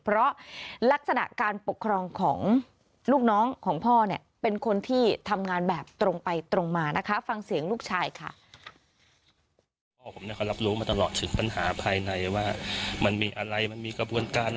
เพราะลักษณะการปกครองของลูกน้องของพ่อเนี่ยเป็นคนที่ทำงานแบบตรงไปตรงมานะคะฟังเสียงลูกชายค่ะ